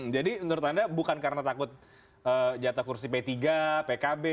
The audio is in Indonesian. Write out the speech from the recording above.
jadi menurut anda bukan karena takut jatah kursi p tiga pkb